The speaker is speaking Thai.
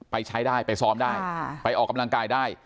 ใช้ได้ไปซ้อมได้ไปออกกำลังกายได้